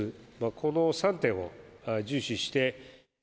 この３点を重視して。